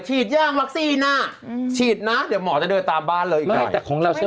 ฉีดย่างวัคซีนอ่ะฉีดนะเดี๋ยวหมอจะเดินตามบ้านเลยอีกหน่อย